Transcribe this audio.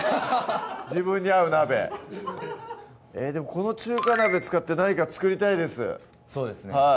自分に合う鍋でもこの中華鍋使って何か作りたいですそうですね